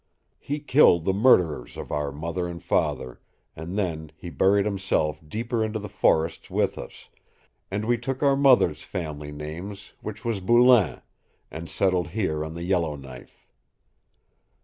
He killed the murderers of our mother and father, and then he buried himself deeper into the forests with us, and we took our mother's family names which was Boulain, and settled here on the Yellowknife.